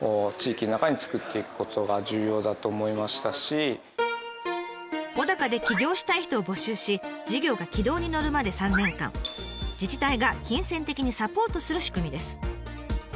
その名も小高で起業したい人を募集し事業が軌道に乗るまで３年間自治体が金銭的にサポートする仕組みです。